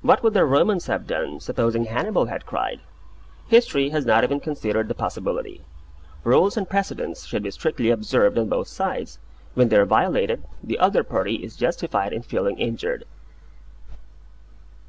What would the Romans have done, supposing Hannibal had cried? History has not even considered the possibility. Rules and precedents should be strictly observed on both sides; when they are violated, the other party is justified in feeling injured.